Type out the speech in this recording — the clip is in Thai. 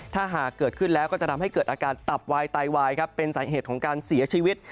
ถ้าหากเกิดขึ้นแล้วก็จะทำให้เกิดอาการตับวายไตวายครับเป็นสาเหตุของการเสียชีวิต